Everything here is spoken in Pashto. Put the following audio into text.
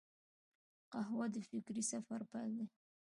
قهوه د فکري سفر پیل دی